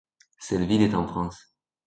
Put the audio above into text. Cette ville est en France.